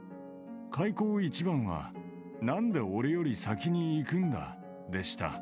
開口一番は、なんで俺より先に逝くんだでした。